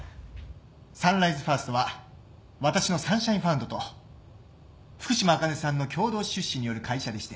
サンライズファーストは私のサンシャインファンドと福島あかねさんの共同出資による会社でして。